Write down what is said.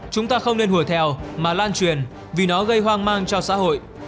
chúng ta không nên hùa theo mà lan truyền vì nó gây hoang mang cho xã hội